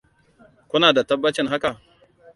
Kuna da tabbacin haka?